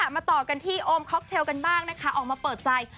มาต่อกันที่โอมค็อกเทลกันบ้างนะคะออกมาเปิดใจ